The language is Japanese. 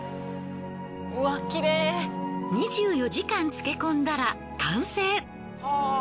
２４時間漬け込んだら完成。